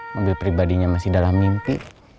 mobil pribadinya masih dalam mimpi